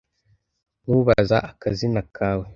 Nkubaza akazina kawe